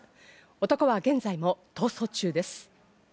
男は現在も逃走中です。